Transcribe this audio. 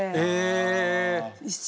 え。